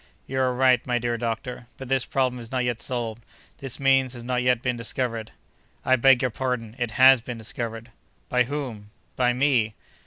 "You are right, my dear doctor; but this problem is not yet solved; this means has not yet been discovered." "I beg your pardon, it has been discovered." "By whom?" "By me!"